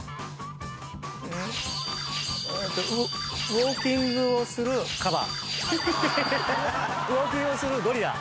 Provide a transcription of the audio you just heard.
ウオーキングをするカバ。